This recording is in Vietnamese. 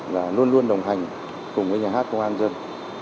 là luôn luôn đồng hành cùng với nhà hát kỳ công an nhân